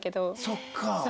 そっか。